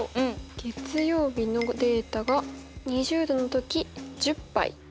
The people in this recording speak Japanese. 月曜日のデータが２０℃の時１０杯。